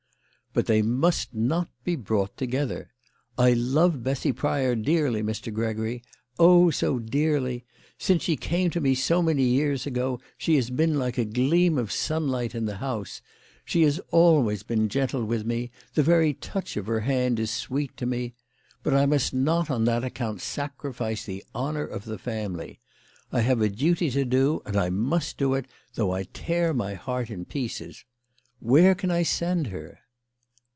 "But they must not be brought together. I love Bessy Pryor dearly, Mr. Gregory ; oh, so dearly ! Since she came to me, now so many years ago, she has been like a gleam of sunlight in the house. She has always been gentle with me. The very touch of her hand is sweet to me. But I must not on that account sacrifice the honour of the family. I have a duty to do ; and I must do it, though I tear my heart in pieces. "Where can I send her